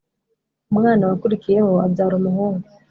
umwaka wakurikiyeho abyara umuhungu